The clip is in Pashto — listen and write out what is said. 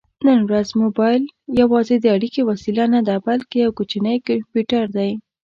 نن ورځ مبایل یوازې د اړیکې وسیله نه ده، بلکې یو کوچنی کمپیوټر دی.